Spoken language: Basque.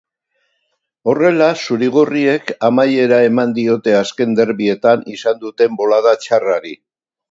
Horrela, zuri-gorriek amaiera eman diote azken derbietan izan duten bolada txarrari.